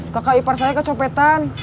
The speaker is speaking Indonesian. kakak ipar saya ke copetan